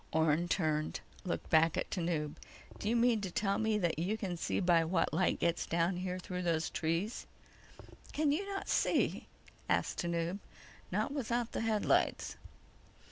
Orne turned, looked back at Tanub. "Do you mean to tell me that you can see by what light gets down here through those trees?" "Can you not see?" asked Tanub. "Not without the headlights."